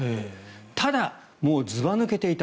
ただ、もうずば抜けていた。